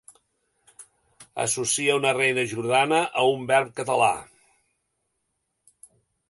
Associa una reina jordana a un verb català.